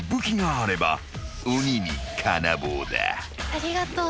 ありがとう。